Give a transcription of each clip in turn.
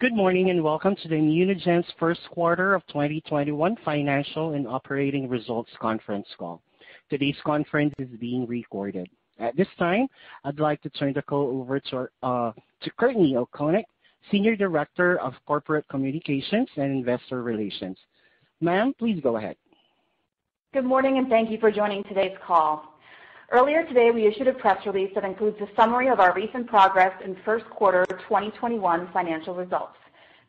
Good morning. Welcome to the ImmunoGen's first quarter of 2021 financial and operating results conference call. Today's conference is being recorded. At this time, I'd like to turn the call over to Courtney O'Konek, Senior Director of Corporate Communications and Investor Relations. Ma'am, please go ahead. Good morning, thank you for joining today's call. Earlier today, we issued a press release that includes a summary of our recent progress and first quarter 2021 financial results.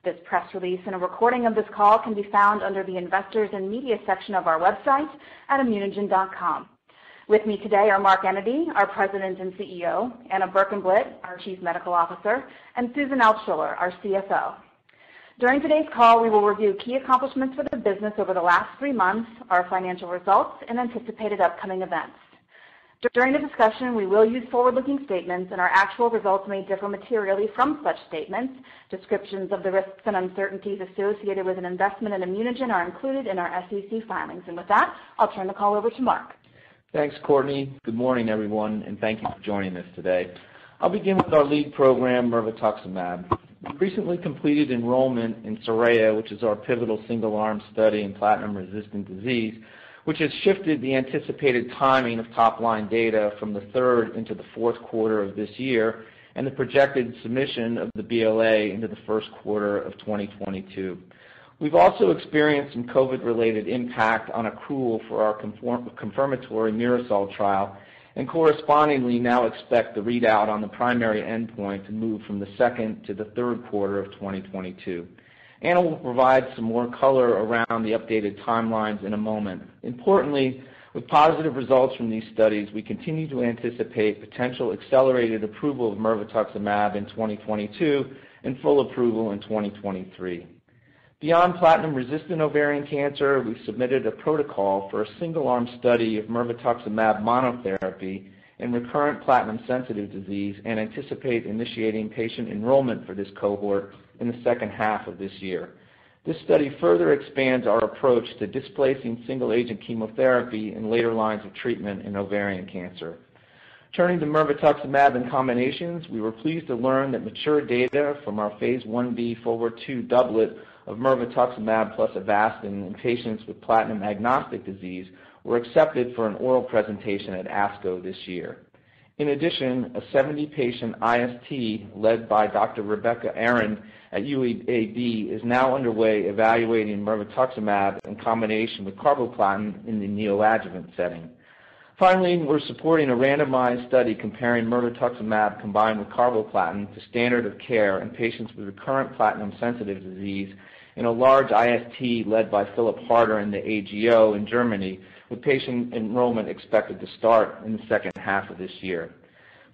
This press release and a recording of this call can be found under the Investors and Media section of our website at immunogen.com. With me today are Mark Enyedy, our President and CEO, Anna Berkenblit, our Chief Medical Officer, and Susan Altschuller, our CFO. During today's call, we will review key accomplishments for the business over the last three months, our financial results, and anticipated upcoming events. During the discussion, we will use forward-looking statements. Our actual results may differ materially from such statements. Descriptions of the risks and uncertainties associated with an investment in ImmunoGen are included in our SEC filings. With that, I'll turn the call over to Mark. Thanks, Courtney. Good morning, everyone, thank you for joining us today. I'll begin with our lead program, mirvetuximab. We recently completed enrollment in SORAYA, which is our pivotal single-arm study in platinum-resistant disease, which has shifted the anticipated timing of top-line data from the third into the fourth quarter of this year, and the projected submission of the BLA into the first quarter of 2022. We've also experienced some COVID-related impact on accrual for our confirmatory MIRASOL trial, and correspondingly now expect the readout on the primary endpoint to move from the second to the third quarter of 2022. Anna will provide some more color around the updated timelines in a moment. Importantly, with positive results from these studies, we continue to anticipate potential accelerated approval of mirvetuximab in 2022 and full approval in 2023. Beyond platinum-resistant ovarian cancer, we have submitted a protocol for a single-arm study of mirvetuximab monotherapy in recurrent platinum-sensitive disease and anticipate initiating patient enrollment for this cohort in the second half of this year. This study further expands our approach to displacing single-agent chemotherapy in later lines of treatment in ovarian cancer. Turning to mirvetuximab in combinations, we were pleased to learn that mature data from our phase I-B/II doublet of mirvetuximab plus Avastin in patients with platinum-agnostic disease were accepted for an oral presentation at ASCO this year. In addition, a 70-patient IST led by Dr. Rebecca Arend at UAB is now underway evaluating mirvetuximab in combination with carboplatin in the neoadjuvant setting. We're supporting a randomized study comparing mirvetuximab combined with carboplatin to standard of care in patients with recurrent platinum-sensitive disease in a large IST led by Philipp Harter in the AGO in Germany, with patient enrollment expected to start in the second half of this year.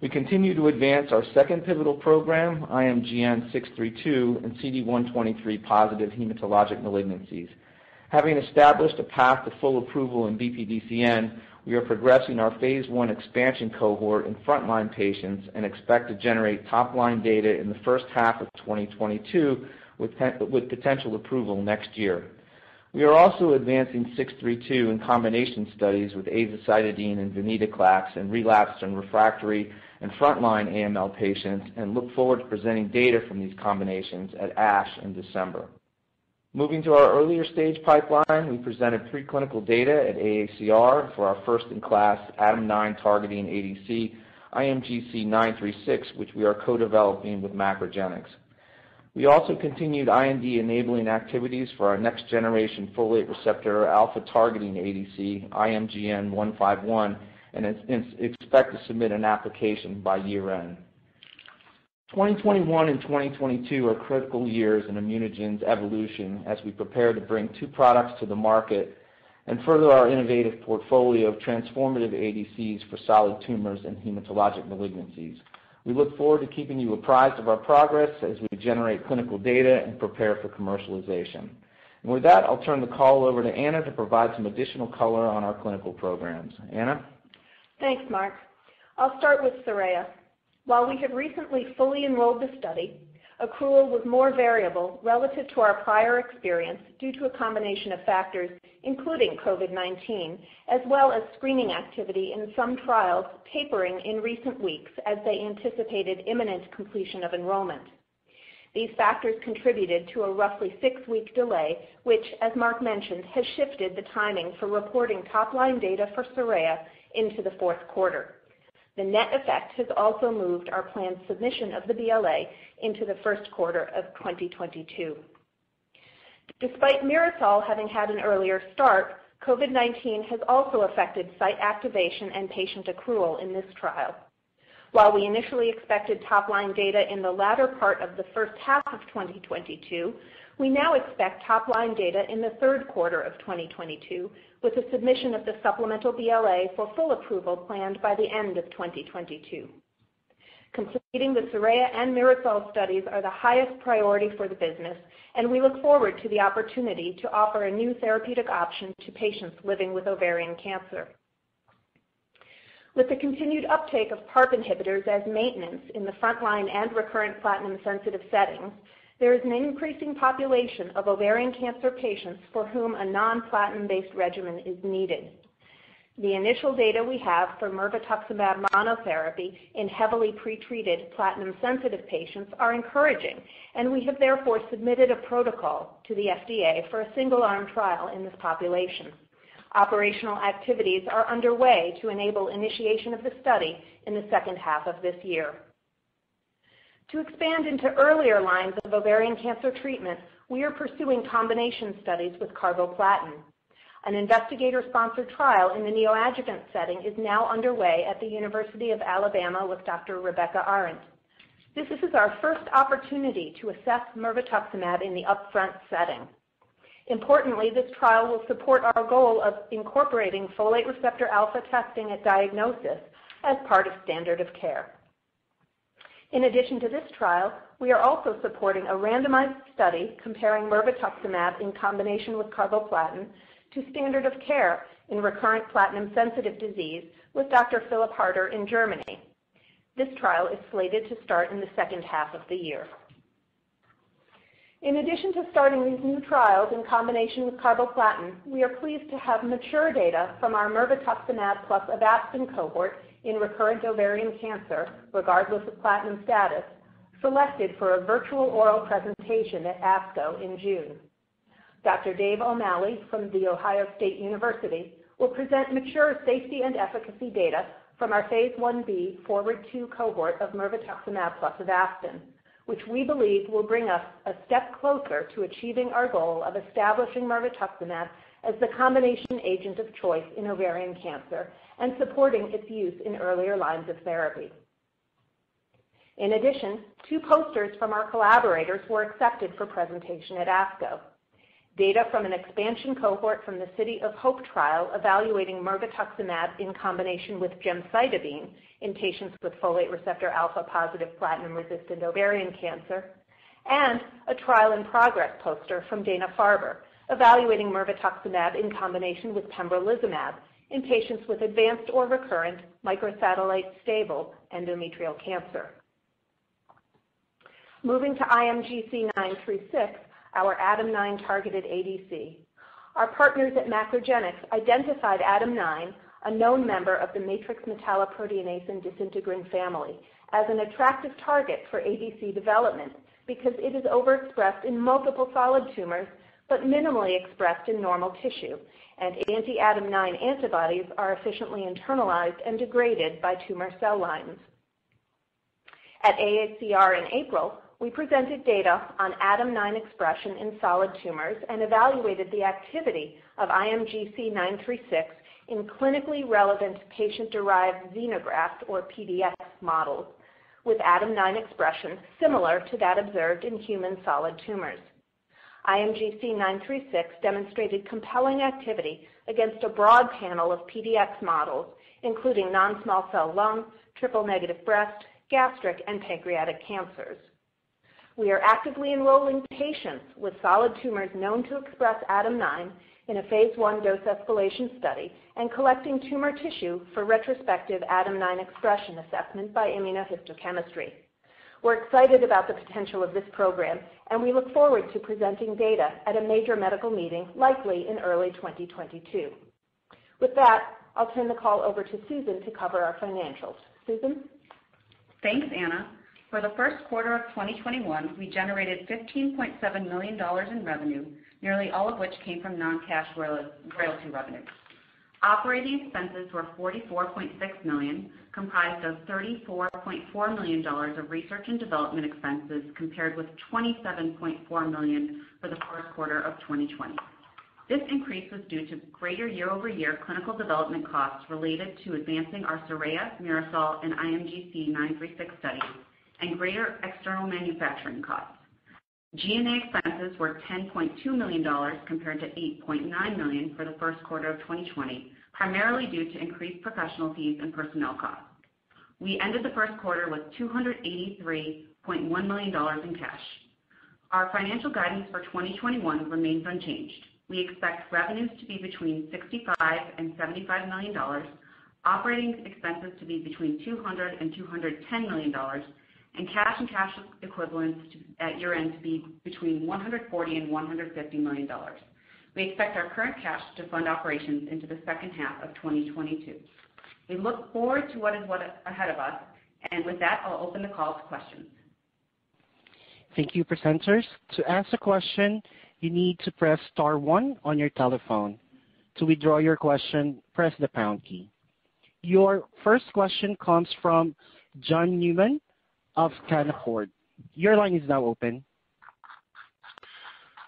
We continue to advance our second pivotal program, IMGN632, in CD123-positive hematologic malignancies. Having established a path to full approval in BPDCN, we are progressing our phase I expansion cohort in front-line patients and expect to generate top-line data in the first half of 2022, with potential approval next year. We are also advancing 632 in combination studies with azacitidine and venetoclax in relapsed and refractory and front-line AML patients and look forward to presenting data from these combinations at ASH in December. Moving to our earlier-stage pipeline, we presented preclinical data at AACR for our first-in-class ADAM9 targeting ADC, IMGC936, which we are co-developing with MacroGenics. We also continued IND-enabling activities for our next-generation folate receptor alpha-targeting ADC, IMGN151, and expect to submit an application by year-end. 2021 and 2022 are critical years in ImmunoGen's evolution as we prepare to bring two products to the market and further our innovative portfolio of transformative ADCs for solid tumors and hematologic malignancies. We look forward to keeping you apprised of our progress as we generate clinical data and prepare for commercialization. With that, I'll turn the call over to Anna to provide some additional color on our clinical programs. Anna? Thanks, Mark. I'll start with SORAYA. While we have recently fully enrolled the study, accrual was more variable relative to our prior experience due to a combination of factors, including COVID-19, as well as screening activity in some trials tapering in recent weeks as they anticipated imminent completion of enrollment. These factors contributed to a roughly six-week delay, which, as Mark mentioned, has shifted the timing for reporting top-line data for SORAYA into the fourth quarter. The net effect has also moved our planned submission of the BLA into the first quarter of 2022. Despite MIRASOL having had an earlier start, COVID-19 has also affected site activation and patient accrual in this trial. While we initially expected top-line data in the latter part of the first half of 2022, we now expect top-line data in the third quarter of 2022, with a submission of the supplemental BLA for full approval planned by the end of 2022. Completing the SORAYA and MIRASOL studies are the highest priority for the business, and we look forward to the opportunity to offer a new therapeutic option to patients living with ovarian cancer. With the continued uptake of PARP inhibitors as maintenance in the front-line and recurrent platinum-sensitive settings, there is an increasing population of ovarian cancer patients for whom a non-platinum-based regimen is needed. The initial data we have for mirvetuximab monotherapy in heavily pre-treated platinum-sensitive patients are encouraging, and we have therefore submitted a protocol to the FDA for a single-arm trial in this population. Operational activities are underway to enable initiation of the study in the second half of this year. To expand into earlier lines of ovarian cancer treatment, we are pursuing combination studies with carboplatin. An investigator-sponsored trial in the neoadjuvant setting is now underway at the University of Alabama with Dr. Rebecca Arend. This is our first opportunity to assess mirvetuximab in the upfront setting. Importantly, this trial will support our goal of incorporating folate receptor alpha testing at diagnosis as part of standard of care. In addition to this trial, we are also supporting a randomized study comparing mirvetuximab in combination with carboplatin to standard of care in recurrent platinum-sensitive disease with Dr. Philipp Harter in Germany. This trial is slated to start in the second half of the year. In addition to starting these new trials in combination with carboplatin, we are pleased to have mature data from our mirvetuximab plus Avastin cohort in recurrent ovarian cancer, regardless of platinum status, selected for a virtual oral presentation at ASCO in June. Dr. David O'Malley from The Ohio State University will present mature safety and efficacy data from our Phase I-B/II cohort of mirvetuximab plus Avastin, which we believe will bring us a step closer to achieving our goal of establishing mirvetuximab as the combination agent of choice in ovarian cancer and supporting its use in earlier lines of therapy. In addition, two posters from our collaborators were accepted for presentation at ASCO. Data from an expansion cohort from the City of Hope Trial evaluating mirvetuximab in combination with gemcitabine in patients with folate receptor alpha-positive platinum-resistant ovarian cancer, and a trial in progress poster from Dana-Farber evaluating mirvetuximab in combination with pembrolizumab in patients with advanced or recurrent microsatellite stable endometrial cancer. Moving to IMGC936, our ADAM9-targeted ADC. Our partners at MacroGenics identified ADAM9, a known member of the matrix metalloproteinase and disintegrin family, as an attractive target for ADC development because it is overexpressed in multiple solid tumors but minimally expressed in normal tissue, and anti-ADAM9 antibodies are efficiently internalized and degraded by tumor cell lines. At AACR in April, we presented data on ADAM9 expression in solid tumors and evaluated the activity of IMGC936 in clinically relevant patient-derived xenografts, or PDX models, with ADAM9 expression similar to that observed in human solid tumors. IMGC936 demonstrated compelling activity against a broad panel of PDX models, including non-small cell lung, triple-negative breast, gastric, and pancreatic cancers. We are actively enrolling patients with solid tumors known to express ADAM9 in a phase I dose-escalation study and collecting tumor tissue for retrospective ADAM9 expression assessment by immunohistochemistry. We're excited about the potential of this program, and we look forward to presenting data at a major medical meeting, likely in early 2022. With that, I'll turn the call over to Susan to cover our financials. Susan? Thanks, Anna. For the first quarter of 2021, we generated $15.7 million in revenue, nearly all of which came from non-cash royalty revenue. Operating expenses were $44.6 million, comprised of $34.4 million of research and development expenses, compared with $27.4 million for the first quarter of 2020. This increase was due to greater year-over-year clinical development costs related to advancing our SORAYA, MIRASOL, and IMGC936 studies and greater external manufacturing costs. G&A expenses were $10.2 million, compared to $8.9 million for the first quarter of 2020, primarily due to increased professional fees and personnel costs. We ended the first quarter with $283.1 million in cash. Our financial guidance for 2021 remains unchanged. We expect revenues to be between $65 million and $75 million, operating expenses to be between $200 million and $210 million, and cash and cash equivalents at year-end to be between $140 million and $150 million. We expect our current cash to fund operations into the second half of 2022. We look forward to what is ahead of us. With that, I'll open the call to questions. Thank you, presenters. To ask a question, you need to press star one on your telephone. To withdraw your question, press the pound key. Your first question comes from John Newman of Canaccord. Your line is now open.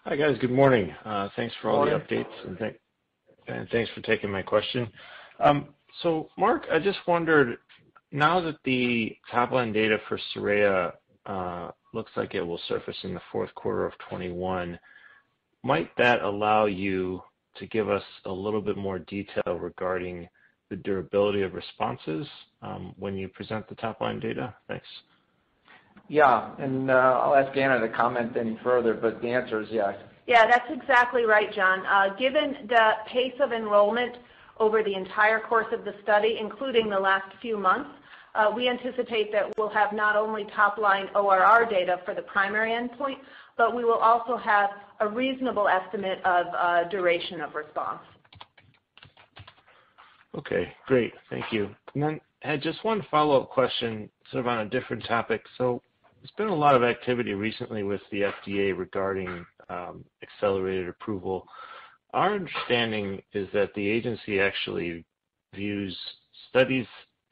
Hi, guys. Good morning. Good morning. Thanks for all the updates, thanks for taking my question. Mark, I just wondered, now that the top-line data for SORAYA looks like it will surface in the fourth quarter of 2021, might that allow you to give us a little bit more detail regarding the durability of responses when you present the top-line data? Thanks. Yeah. I'll ask Anna to comment any further, but the answer is yes. Yeah, that's exactly right, John. Given the pace of enrollment over the entire course of the study, including the last few months. We anticipate that we'll have not only top-line ORR data for the primary endpoint, but we will also have a reasonable estimate of duration of response. Okay, great. Thank you. Just one follow-up question sort of on a different topic. There's been a lot of activity recently with the FDA regarding accelerated approval. Our understanding is that the agency actually views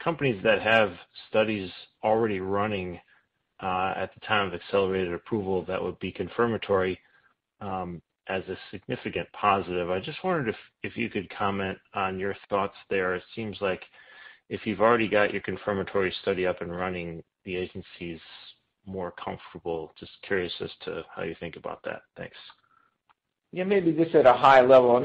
companies that have studies already running at the time of accelerated approval that would be confirmatory as a significant positive. I just wondered if you could comment on your thoughts there. It seems like if you've already got your confirmatory study up and running, the agency's more comfortable. Just curious as to how you think about that. Thanks. Yeah, maybe just at a high level.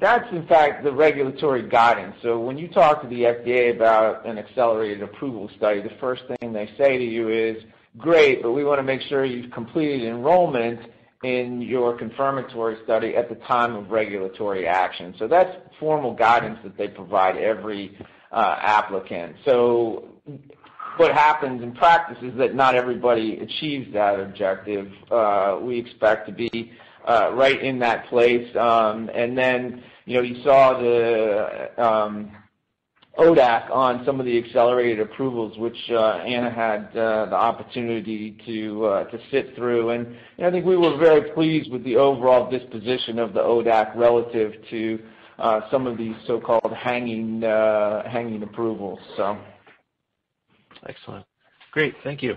That's in fact the regulatory guidance. When you talk to the FDA about an accelerated approval study, the first thing they say to you is, "Great, but we want to make sure you've completed enrollment in your confirmatory study at the time of regulatory action." That's formal guidance that they provide every applicant. What happens in practice is that not everybody achieves that objective. We expect to be right in that place. You saw the ODAC on some of the accelerated approvals, which Anna had the opportunity to sit through, and I think we were very pleased with the overall disposition of the ODAC relative to some of these so-called hanging approvals. Excellent. Great. Thank you.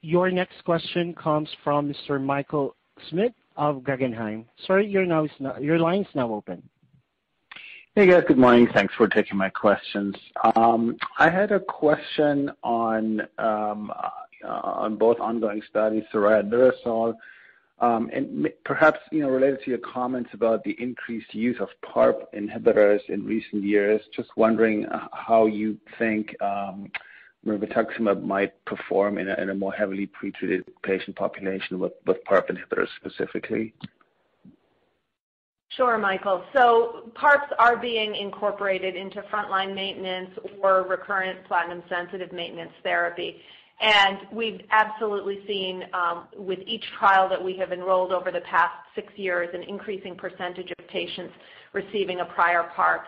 Your next question comes from Mr. Michael Schmidt of Guggenheim. Sir, your line's now open. Hey, guys. Good morning. Thanks for taking my questions. I had a question on both ongoing studies for adrucil, and perhaps related to your comments about the increased use of PARP inhibitors in recent years, just wondering how you think mirvetuximab might perform in a more heavily pretreated patient population with PARP inhibitors specifically. Sure, Michael. PARPs are being incorporated into frontline maintenance or recurrent platinum-sensitive maintenance therapy. We've absolutely seen with each trial that we have enrolled over the past six years, an increasing percentage of patients receiving a prior PARP.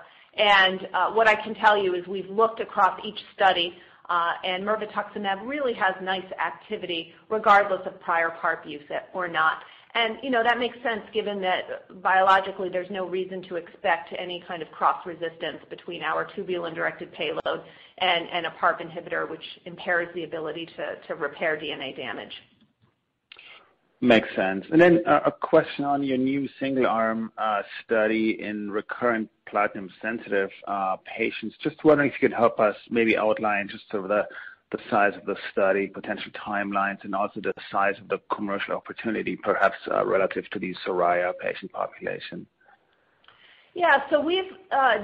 What I can tell you is we've looked across each study, and mirvetuximab really has nice activity regardless of prior PARP use or not. That makes sense given that biologically there's no reason to expect any kind of cross resistance between our tubulin-directed payload and a PARP inhibitor which impairs the ability to repair DNA damage. Makes sense. A question on your new single-arm study in recurrent platinum-sensitive patients, just wondering if you could help us maybe outline just sort of the size of the study, potential timelines, and also the size of the commercial opportunity, perhaps relative to the SORAYA patient population. Yeah. We've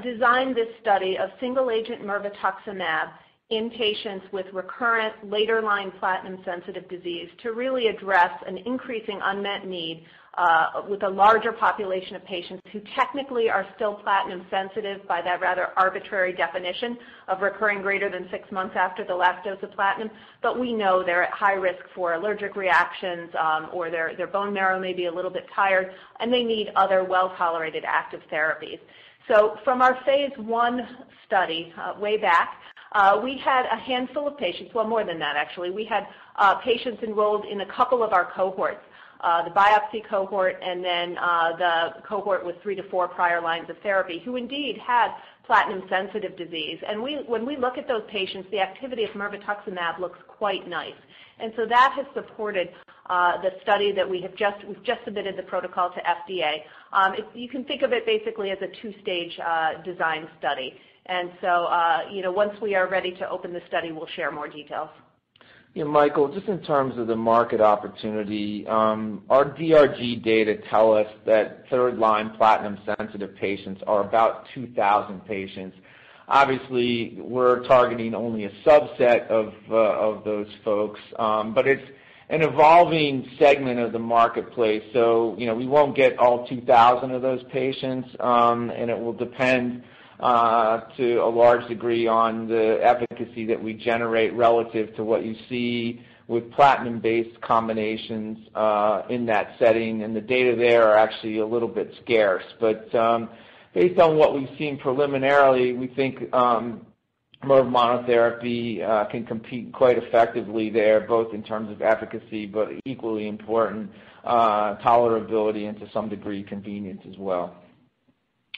designed this study of single-agent mirvetuximab in patients with recurrent later-line platinum-sensitive disease to really address an increasing unmet need with a larger population of patients who technically are still platinum sensitive by that rather arbitrary definition of recurring greater than 6 months after the last dose of platinum. We know they're at high risk for allergic reactions, or their bone marrow may be a little bit tired, and they need other well-tolerated active therapies. From our phase I study way back, we had a handful of patients, well, more than that, actually. We had patients enrolled in a couple of our cohorts, the biopsy cohort and then the cohort with 3 to 4 prior lines of therapy who indeed had platinum-sensitive disease. When we look at those patients, the activity of mirvetuximab looks quite nice. That has supported the study that we've just submitted the protocol to FDA. You can think of it basically as a two-stage design study. Once we are ready to open the study, we'll share more details. Yeah, Michael, just in terms of the market opportunity, our DRG data tell us that third-line platinum-sensitive patients are about 2,000 patients. Obviously, we're targeting only a subset of those folks, but it's an evolving segment of the marketplace, so we won't get all 2,000 of those patients, and it will depend to a large degree on the efficacy that we generate relative to what you see with platinum-based combinations in that setting, and the data there are actually a little bit scarce. Based on what we've seen preliminarily, we think mirve monotherapy can compete quite effectively there, both in terms of efficacy, but equally important, tolerability and to some degree, convenience as well.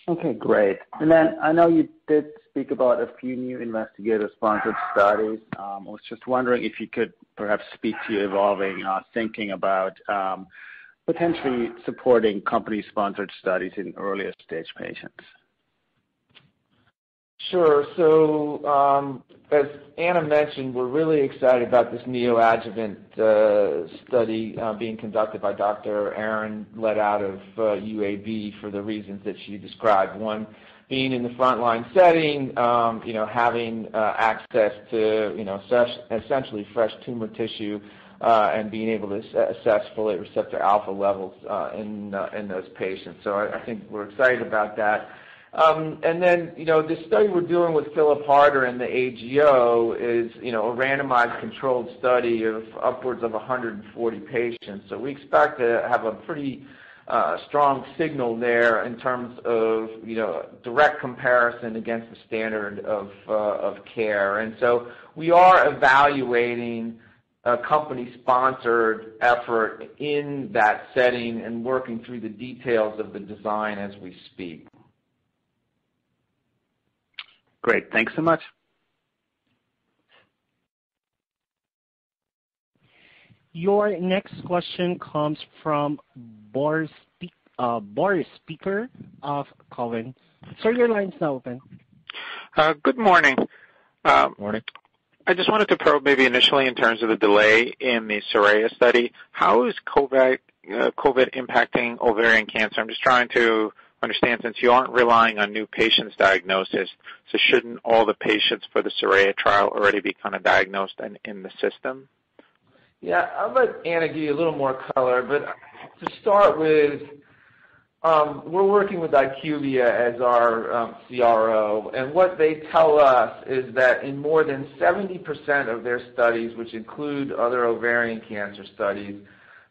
Okay, great. I know you did speak about a few new investigator-sponsored studies. I was just wondering if you could perhaps speak to your evolving thinking about potentially supporting company-sponsored studies in earlier-stage patients. Sure. As Anna mentioned, we're really excited about this neoadjuvant study being conducted by Dr. Arend, let out of UAB for the reasons that she described. One, being in the frontline setting, having access to essentially fresh tumor tissue, and being able to assess folate receptor alpha levels in those patients. I think we're excited about that. This study we're doing with Philipp Harter and the AGO is a randomized controlled study of upwards of 140 patients. We expect to have a pretty strong signal there in terms of direct comparison against the standard of care. We are evaluating a company-sponsored effort in that setting and working through the details of the design as we speak. Great. Thanks so much. Your next question comes from Boris Peaker of Cowen. Sir, your line is now open. Good morning. Morning. I just wanted to probe maybe initially in terms of the delay in the SORAYA study. How is COVID impacting ovarian cancer? I'm just trying to understand, since you aren't relying on new patients' diagnosis, shouldn't all the patients for the SORAYA trial already be kind of diagnosed and in the system? Yeah, I'll let Anna give you a little more color. To start with, we're working with IQVIA as our CRO, and what they tell us is that in more than 70% of their studies, which include other ovarian cancer studies,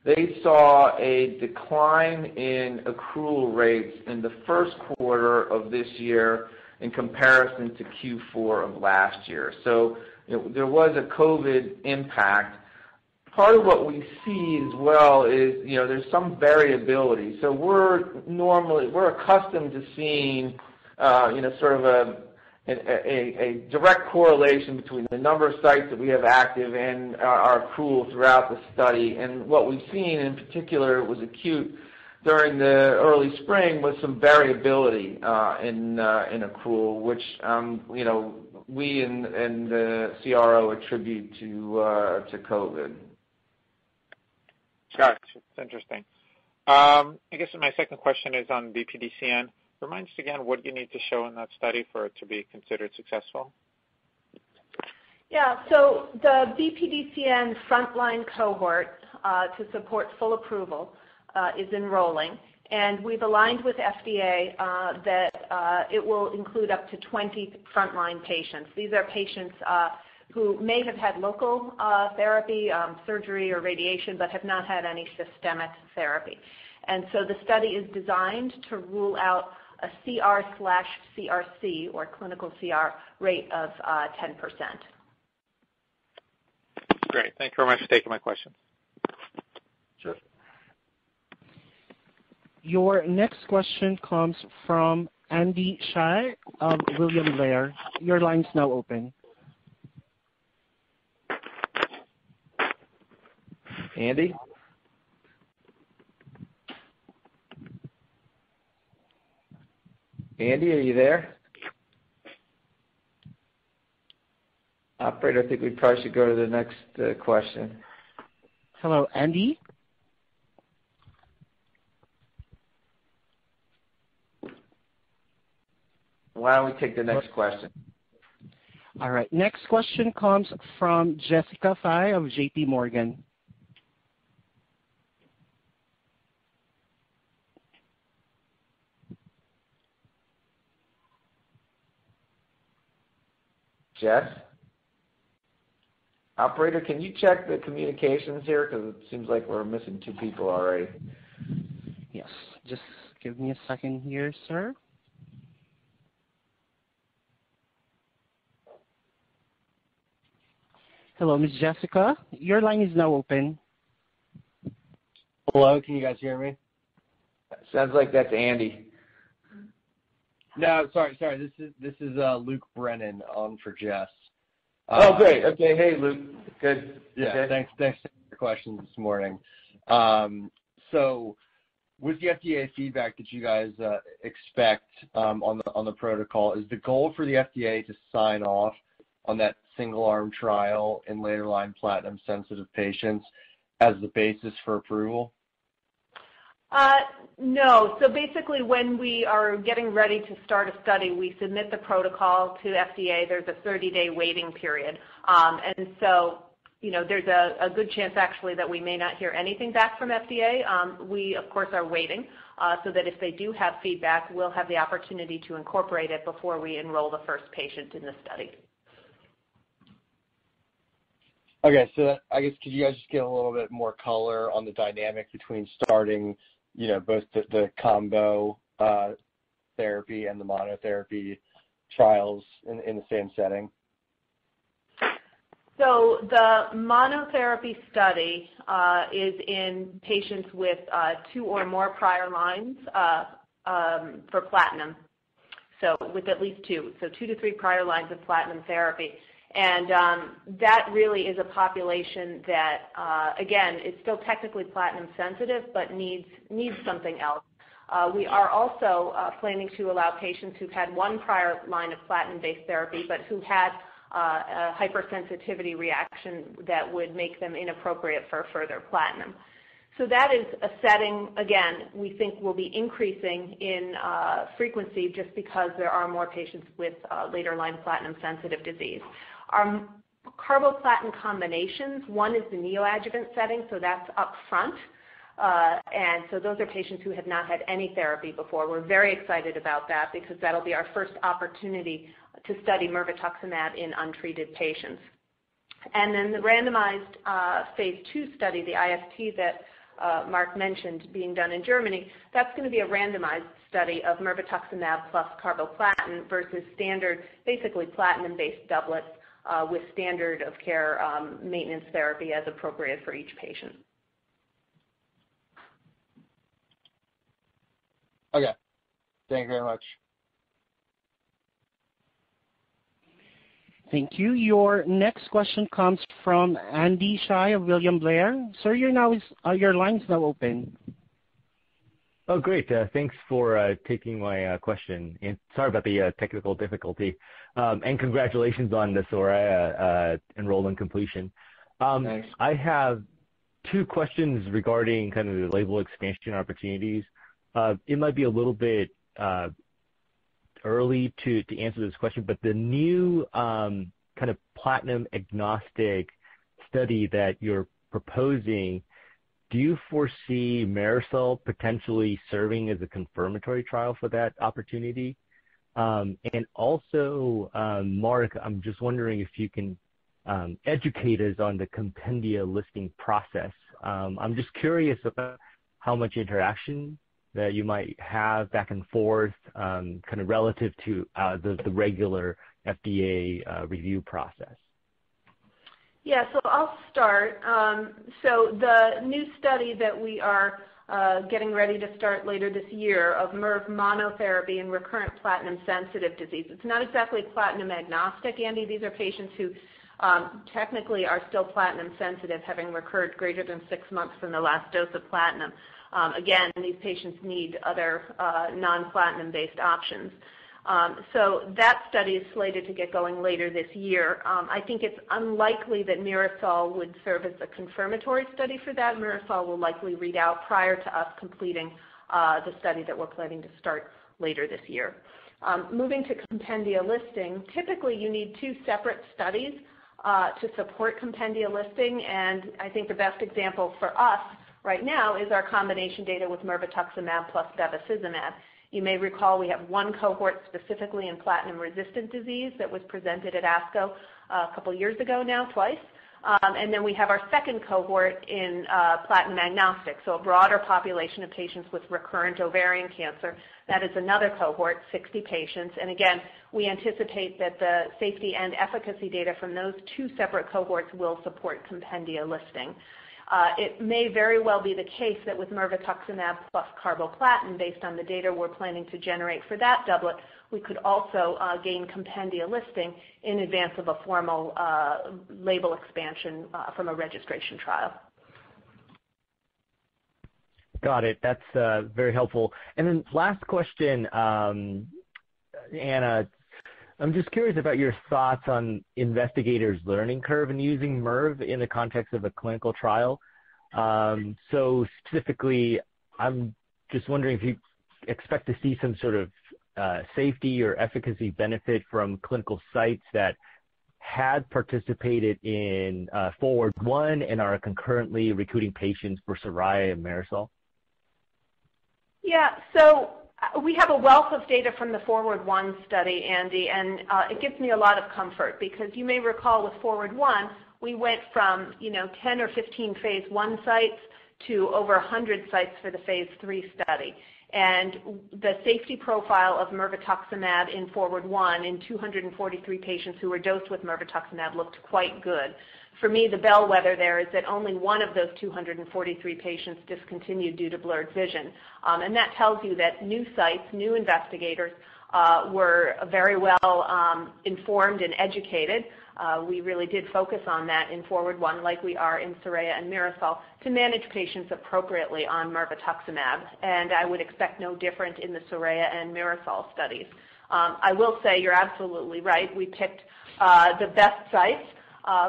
they saw a decline in accrual rates in the first quarter of this year in comparison to Q4 of last year. There was a COVID impact. Part of what we see as well is there's some variability. We're accustomed to seeing a direct correlation between the number of sites that we have active and our accrual throughout the study. What we've seen, in particular, it was acute during the early spring, was some variability in accrual, which we and the CRO attribute to COVID. Got you. It's interesting. I guess my second question is on BPDCN. Remind us again what you need to show in that study for it to be considered successful? The BPDCN frontline cohort to support full approval is enrolling, and we've aligned with FDA that it will include up to 20 frontline patients. These are patients who may have had local therapy, surgery, or radiation, but have not had any systemic therapy. The study is designed to rule out a CR/CRi, or clinical CR rate of 10%. Great. Thank you very much for taking my questions. Sure. Your next question comes from Andy Hsieh of William Blair. Your line's now open. Andy? Andy, are you there? Operator, I think we probably should go to the next question. Hello, Andy? Why don't we take the next question? All right. Next question comes from Jessica Fye of JP Morgan. Jess? Operator, can you check the communications here, because it seems like we're missing two people already. Yes. Just give me a second here, sir. Hello, Ms. Jessica. Your line is now open. Hello, can you guys hear me? Sounds like that's Andy. No, sorry. This is Luke Brennan on for Jess. Oh, great. Okay. Hey, Luke. Good. Okay. Yeah, thanks. Thanks for taking the question this morning. With the FDA feedback that you guys expect on the protocol, is the goal for the FDA to sign off on that single-arm trial in later-line platinum-sensitive patients as the basis for approval? No. Basically, when we are getting ready to start a study, we submit the protocol to FDA. There's a 30-day waiting period. There's a good chance actually that we may not hear anything back from FDA. We, of course, are waiting so that if they do have feedback, we'll have the opportunity to incorporate it before we enroll the first patient in the study. I guess could you guys just give a little bit more color on the dynamic between starting both the combo therapy and the monotherapy trials in the same setting? The monotherapy study is in patients with two or more prior lines for platinum with at least two. Two to three prior lines of platinum therapy. That really is a population that, again, is still technically platinum sensitive, but needs something else. We are also planning to allow patients who've had one prior line of platinum-based therapy but who had a hypersensitivity reaction that would make them inappropriate for further platinum. That is a setting, again, we think will be increasing in frequency just because there are more patients with later-line platinum-sensitive disease. Our carboplatin combinations, one is the neoadjuvant setting, that's upfront. Those are patients who have not had any therapy before. We're very excited about that because that'll be our first opportunity to study mirvetuximab in untreated patients. The randomized phase II study, the IST that Mark mentioned being done in Germany, that's going to be a randomized study of mirvetuximab plus carboplatin versus standard, basically platinum-based doublets with standard of care maintenance therapy as appropriate for each patient. Okay. Thank you very much. Thank you. Your next question comes from Andy Hsieh of William Blair. Sir, your line is now open. Oh, great. Thanks for taking my question. Sorry about the technical difficulty. Congratulations on the SORAYA enroll and completion. Thanks. I have two questions regarding kind of the label expansion opportunities. It might be a little bit early to answer this question, but the new kind of platinum-agnostic study that you're proposing, do you foresee MIRASOL potentially serving as a confirmatory trial for that opportunity? Also, Mark, I'm just wondering if you can educate us on the compendia listing process. I'm just curious about how much interaction that you might have back and forth kind of relative to the regular FDA review process. Yeah. I'll start. The new study that we are getting ready to start later this year of mirve monotherapy in recurrent platinum-sensitive disease, it's not exactly platinum-agnostic, Andy. These are patients who technically are still platinum sensitive, having recurred greater than six months from the last dose of platinum. Again, these patients need other non-platinum-based options. That study is slated to get going later this year. I think it's unlikely that MIRASOL would serve as a confirmatory study for that. MIRASOL will likely read out prior to us completing the study that we're planning to start later this year. Moving to compendia listing, typically you need two separate studies to support compendia listing, and I think the best example for us right now is our combination data with mirvetuximab plus bevacizumab. You may recall we have one cohort specifically in platinum-resistant disease that was presented at ASCO a couple of years ago now, twice. We have our second cohort in platinum agnostic, so a broader population of patients with recurrent ovarian cancer. That is another cohort, 60 patients. We anticipate that the safety and efficacy data from those two separate cohorts will support compendia listing. It may very well be the case that with mirvetuximab plus carboplatin, based on the data we're planning to generate for that doublet, we could also gain compendia listing in advance of a formal label expansion from a registration trial. Got it. That's very helpful. Last question, Anna, I'm just curious about your thoughts on investigators' learning curve in using mirve in the context of a clinical trial. Specifically, I'm just wondering if you expect to see some sort of safety or efficacy benefit from clinical sites that had participated in FORWARD I and are concurrently recruiting patients for SORAYA and MIRASOL. We have a wealth of data from the FORWARD I study, Andy, and it gives me a lot of comfort because you may recall with FORWARD I, we went from 10 or 15 phase I sites to over 100 sites for the phase III study. The safety profile of mirvetuximab in FORWARD I in 243 patients who were dosed with mirvetuximab looked quite good. For me, the bellwether there is that only one of those 243 patients discontinued due to blurred vision. That tells you that new sites, new investigators were very well-informed and educated. We really did focus on that in FORWARD I like we are in SORAYA and MIRASOL to manage patients appropriately on mirvetuximab, and I would expect no different in the SORAYA and MIRASOL studies. I will say you're absolutely right. We picked the best sites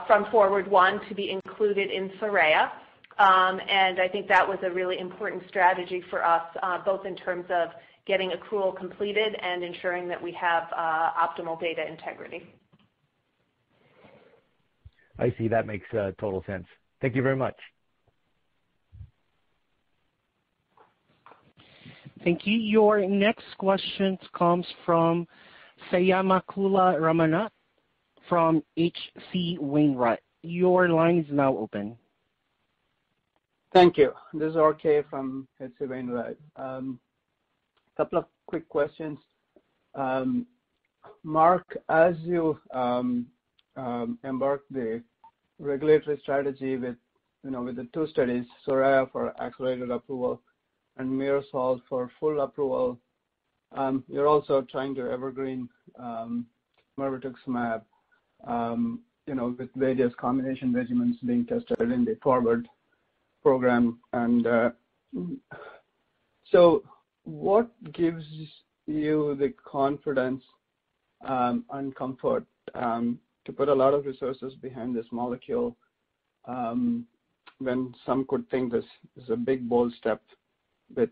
from FORWARD I to be included in SORAYA, and I think that was a really important strategy for us, both in terms of getting accrual completed and ensuring that we have optimal data integrity. I see. That makes total sense. Thank you very much. Thank you. Your next question comes from Swayampakula Ramakanth from H.C. Wainwright. Your line is now open. Thank you. This is RK from H.C. Wainwright. Couple of quick questions. Mark, as you embark the regulatory strategy with the two studies, SORAYA for accelerated approval and MIRASOL for full approval, you're also trying to evergreen mirvetuximab with various combination regimens being tested in the FORWARD program. What gives you the confidence and comfort to put a lot of resources behind this molecule, when some could think this is a big, bold step with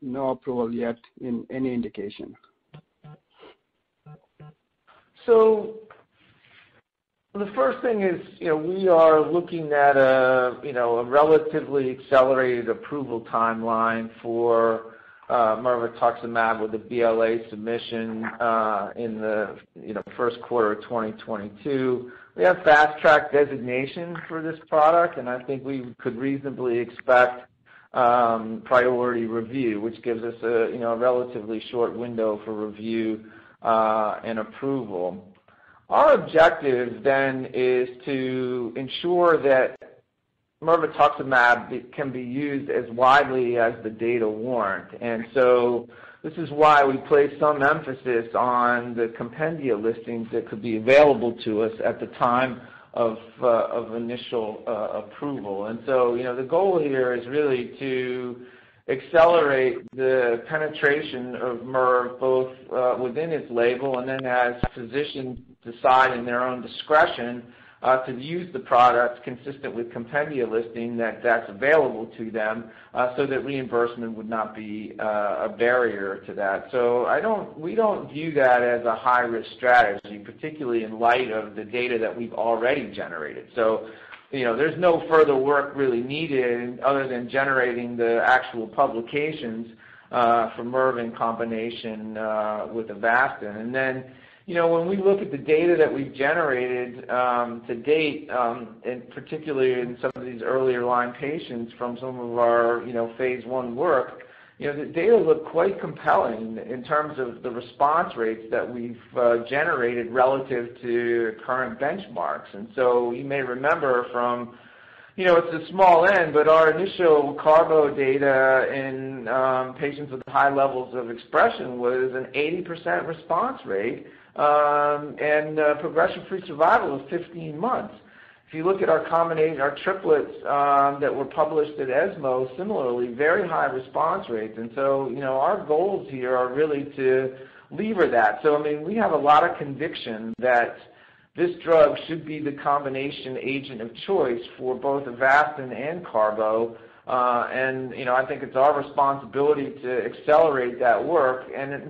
no approval yet in any indication? The first thing is, we are looking at a relatively accelerated approval timeline for mirvetuximab with a BLA submission in the first quarter of 2022. We have Fast Track designation for this product, and I think we could reasonably expect priority review, which gives us a relatively short window for review and approval. Our objective then is to ensure that mirvetuximab can be used as widely as the data warrant. This is why we place some emphasis on the compendia listings that could be available to us at the time of initial approval. The goal here is really to accelerate the penetration of mirve both within its label and then as physicians decide in their own discretion to use the product consistent with compendia listing that's available to them, so that reimbursement would not be a barrier to that. We don't view that as a high-risk strategy, particularly in light of the data that we've already generated. There's no further work really needed other than generating the actual publications for mirve in combination with Avastin. When we look at the data that we've generated to date, particularly in some of these earlier line patients from some of our phase I work, the data look quite compelling in terms of the response rates that we've generated relative to current benchmarks. You may remember from it's a small end, but our initial carbo data in patients with high levels of expression was an 80% response rate, and progression-free survival was 15 months. If you look at our triplets that were published at ESMO, similarly, very high response rates. Our goals here are really to lever that. I mean, we have a lot of conviction that this drug should be the combination agent of choice for both Avastin and carbo. I think it's our responsibility to accelerate that work.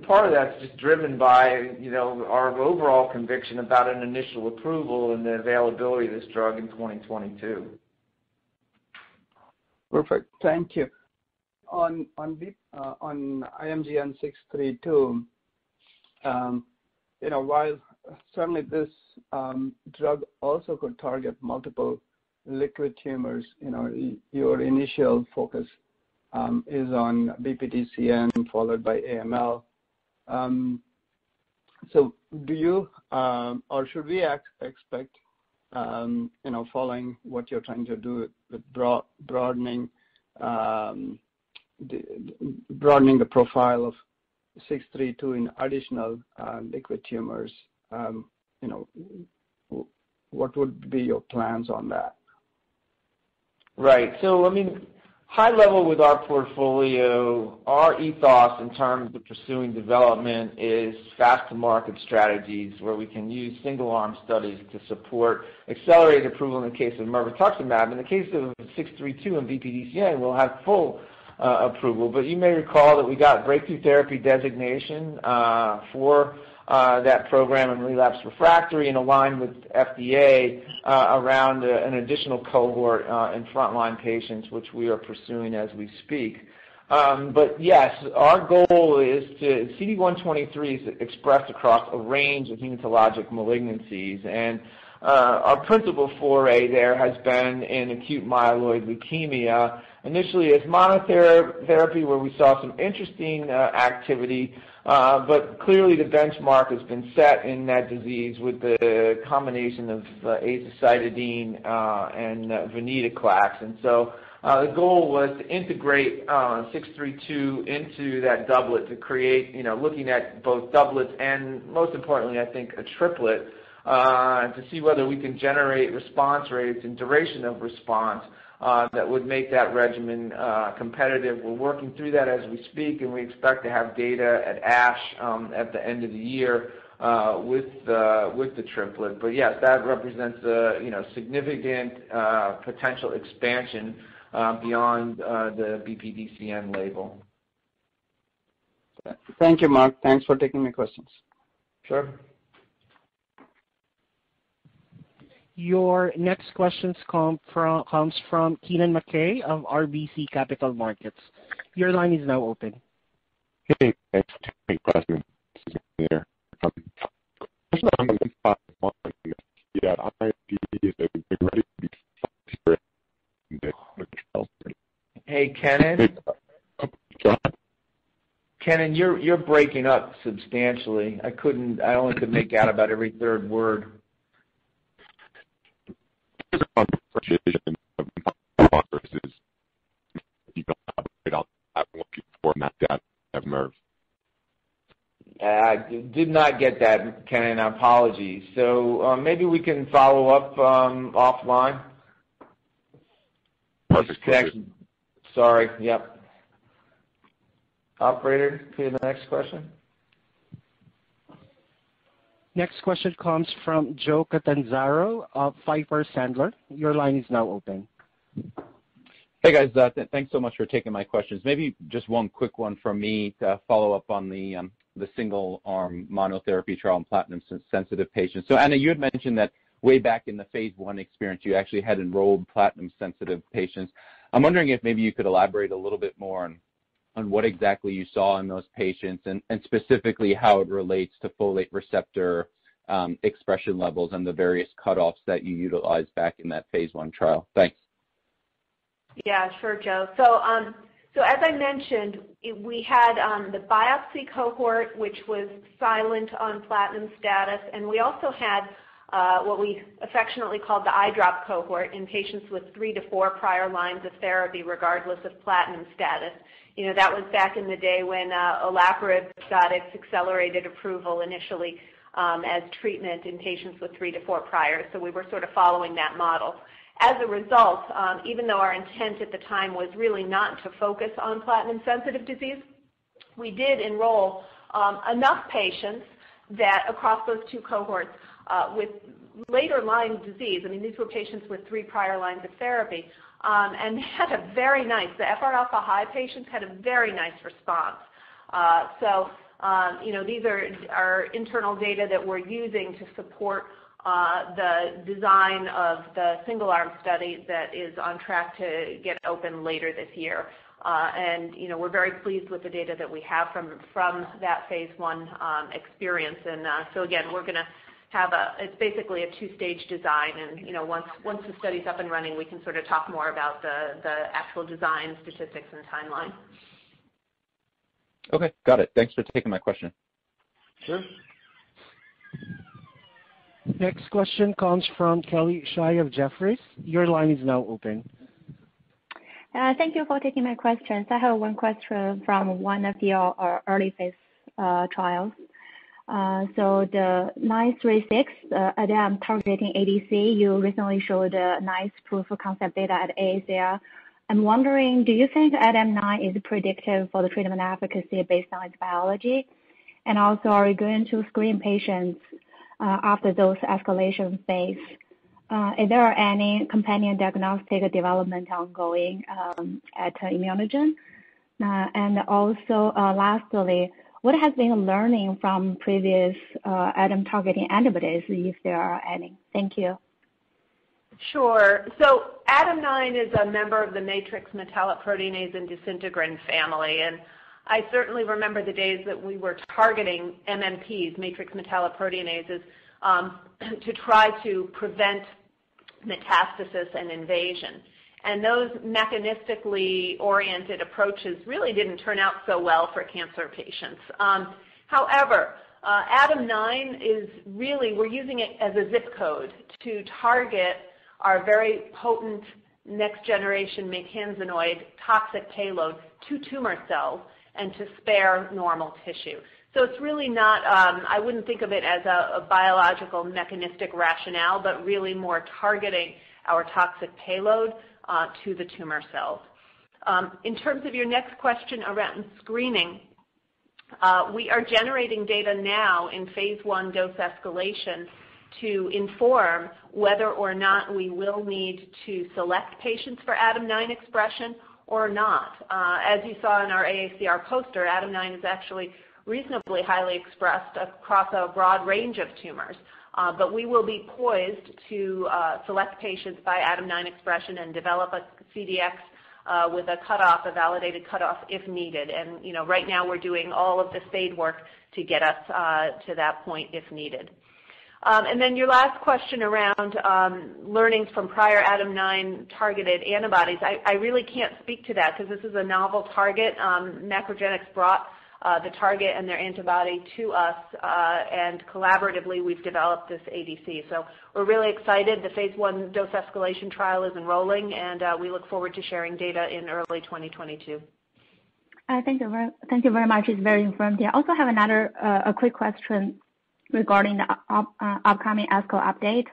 Part of that's just driven by our overall conviction about an initial approval and the availability of this drug in 2022. Perfect. Thank you. On IMGN632, while certainly this drug also could target multiple liquid tumors, your initial focus is on BPDCN followed by AML. Do you, or should we expect, following what you're trying to do with broadening the profile of 632 in additional liquid tumors, what would be your plans on that? I mean, high level with our portfolio, our ethos in terms of pursuing development is fast-to-market strategies where we can use single-arm studies to support accelerated approval in the case of mirvetuximab. In the case of 632 and BPDCN, we'll have full approval. You may recall that we got breakthrough therapy designation for that program in relapse-refractory and aligned with FDA around an additional cohort in frontline patients, which we are pursuing as we speak. Our goal is to CD123 is expressed across a range of hematologic malignancies, and our principal foray there has been in acute myeloid leukemia. Initially as monotherapy, where we saw some interesting activity. Clearly the benchmark has been set in that disease with the combination of azacitidine and venetoclax. The goal was to integrate 632 into that doublet to create, looking at both doublets and most importantly, I think, a triplet, to see whether we can generate response rates and duration of response that would make that regimen competitive. We're working through that as we speak, and we expect to have data at ASH at the end of the year with the triplet. Yes, that represents a significant potential expansion beyond the BPDCN label. Thank you, Mark. Thanks for taking my questions. Sure. Your next questions comes from Kennen MacKay of RBC Capital Markets. Your line is now open. Hey, thanks. Hey, President. This is Kennen here from- Hey, Kennen. Yeah? Kennen, you're breaking up substantially. I only could make out about every third word. I did not get that, Kennen. Apologies. Maybe we can follow up offline. Sorry. Yep. Operator, can we have the next question? Next question comes from Joe Catanzaro of Piper Sandler. Your line is now open. Hey, guys. Thanks so much for taking my questions. Maybe just one quick one from me to follow up on the single-arm monotherapy trial in platinum-sensitive patients. Anna, you had mentioned that way back in the phase I experience, you actually had enrolled platinum-sensitive patients. I'm wondering if maybe you could elaborate a little bit more on what exactly you saw in those patients, and specifically how it relates to folate receptor expression levels and the various cutoffs that you utilized back in that phase I trial. Thanks. Yeah, sure, Joe. As I mentioned, we had the biopsy cohort, which was silent on platinum status, and we also had what we affectionately called the eye drop cohort in patients with three to four prior lines of therapy, regardless of platinum status. That was back in the day when olaparib got its accelerated approval initially as treatment in patients with three to four prior. We were sort of following that model. As a result, even though our intent at the time was really not to focus on platinum-sensitive disease, we did enroll enough patients that across those two cohorts, with later line disease, I mean, these were patients with three prior lines of therapy. The FR alpha high patients had a very nice response. These are internal data that we're using to support the design of the single-arm study that is on track to get open later this year. We're very pleased with the data that we have from that phase I experience. Again, we're going to have, it's basically a two-stage design, and once the study's up and running, we can sort of talk more about the actual design, statistics, and timeline. Okay. Got it. Thanks for taking my question. Sure. Next question comes from Kelly Shi of Jefferies. Your line is now open. Thank you for taking my questions. I have one question from one of your early phase trials. The 936 ADAM9-targeting ADC, you recently showed a nice proof of concept data at AACR. I'm wondering, do you think ADAM9 is predictive for the treatment efficacy based on its biology? Are you going to screen patients after dose escalation phase? Is there any companion diagnostic development ongoing at ImmunoGen? Lastly, what has been the learning from previous ADAM9-targeting antibodies, if there are any? Thank you. Sure. ADAM9 is a member of the matrix metalloproteinase and disintegrin family, and I certainly remember the days that we were targeting MMPs, matrix metalloproteinases, to try to prevent metastasis and invasion. Those mechanistically oriented approaches really didn't turn out so well for cancer patients. However, ADAM9 is really, we're using it as a ZIP code to target our very potent next generation maytansinoid toxic payload to tumor cells and to spare normal tissue. I wouldn't think of it as a biological mechanistic rationale, but really more targeting our toxic payload to the tumor cells. In terms of your next question around screening, we are generating data now in phase I dose escalation to inform whether or not we will need to select patients for ADAM9 expression or not. As you saw in our AACR poster, ADAM9 is actually reasonably highly expressed across a broad range of tumors. We will be poised to select patients by ADAM9 expression and develop a CDx with a cutoff, a validated cutoff, if needed. Right now we're doing all of the spade work to get us to that point if needed. Your last question around learnings from prior ADAM9 targeted antibodies, I really can't speak to that because this is a novel target. MacroGenics brought the target and their antibody to us, and collaboratively, we've developed this ADC. We're really excited. The phase I dose escalation trial is enrolling, and we look forward to sharing data in early 2022. Thank you very much. It's very informed. Yeah. I also have another quick question regarding the upcoming ASCO update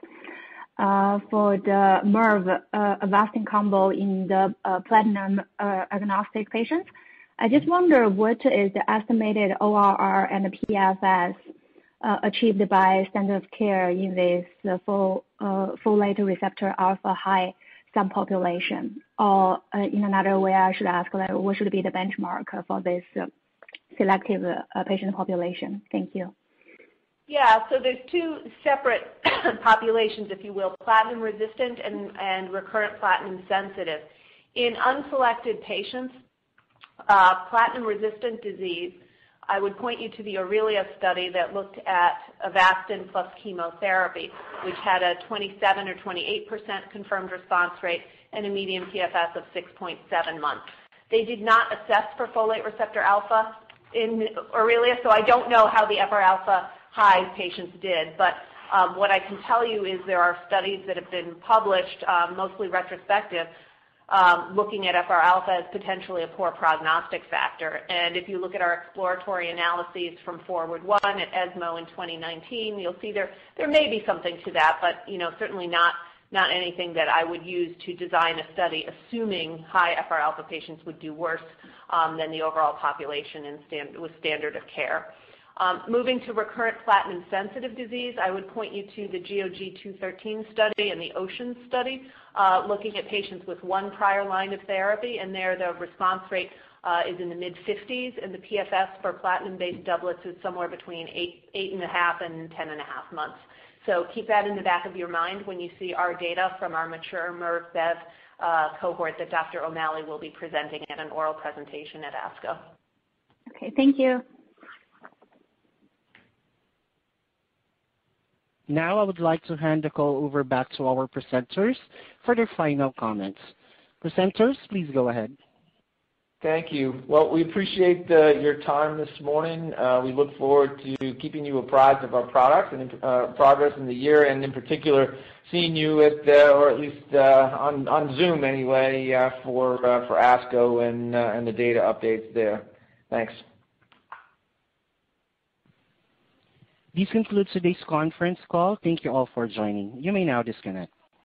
for the mirve Avastin combo in the platinum-agnostic patients. I just wonder what is the estimated ORR and the PFS achieved by standard care in this folate receptor alpha-high subpopulation? In another way I should ask, what should be the benchmark for this selective patient population? Thank you. There's two separate populations, if you will, platinum resistant and recurrent platinum sensitive. In unselected patients, platinum-resistant disease, I would point you to the AURELIA study that looked at Avastin plus chemotherapy, which had a 27% or 28% confirmed response rate and a medium PFS of 6.7 months. They did not assess for folate receptor alpha in AURELIA, so I don't know how the FR alpha high patients did. What I can tell you is there are studies that have been published, mostly retrospective, looking at FR alpha as potentially a poor prognostic factor. If you look at our exploratory analyses from FORWARD I at ESMO in 2019, you'll see there may be something to that, but certainly not anything that I would use to design a study assuming high FR alpha patients would do worse than the overall population with standard of care. Moving to recurrent platinum-sensitive disease, I would point you to the GOG 213 study and the OCEANS study, looking at patients with one prior line of therapy. There the response rate is in the mid-50s, the PFS for platinum-based doublets is somewhere between eight and a half and 10.5 months. Keep that in the back of your mind when you see our data from our mature mirve cohort that Dr. O'Malley will be presenting at an oral presentation at ASCO. Okay, thank you. Now I would like to hand the call over back to our presenters for their final comments. Presenters, please go ahead. Thank you. Well, we appreciate your time this morning. We look forward to keeping you apprised of our products and progress in the year, and in particular, seeing you at, or at least on Zoom anyway, for ASCO and the data updates there. Thanks. This concludes today's conference call. Thank you all for joining. You may now disconnect.